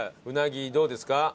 うなぎどうですか？